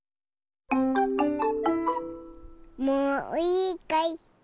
もういいかい？